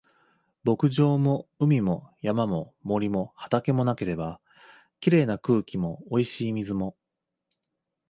牧場も海も山も森も畑もなければ、綺麗な空気も美味しい水も